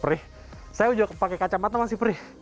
perih saya udah pakai kacamata masih perih